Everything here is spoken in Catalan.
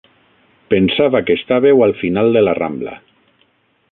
Pensava que estàveu al final de la Rambla.